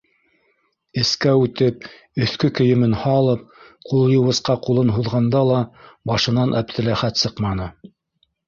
Эскә үтеп, өҫкө кейемен һалып, ҡулъйыуғысҡа ҡулын һуҙғанда ла башынан Әптеләхәт сыҡманы.